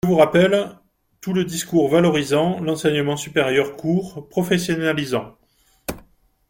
Je vous rappelle tout le discours valorisant l’enseignement supérieur court, professionnalisant.